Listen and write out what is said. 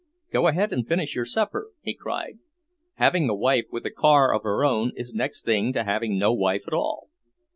"Go ahead and finish your supper," he cried. "Having a wife with a car of her own is next thing to having no wife at all.